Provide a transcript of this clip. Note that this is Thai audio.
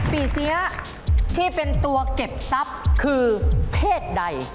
เสียที่เป็นตัวเก็บทรัพย์คือเพศใด